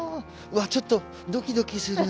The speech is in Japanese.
うわっちょっとドキドキする。